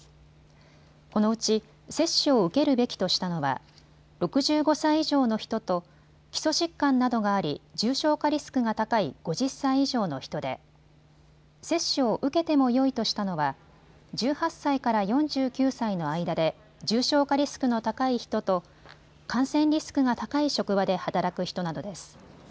このうち接種を受けるべきとしたのは６５歳以上の人と基礎疾患などがあり重症化リスクが高い５０歳以上の人で接種を受けてもよいとしたのは１８歳から４９歳の間で重症化リスクの高い人と感染リスクが高い職場で働く人などです。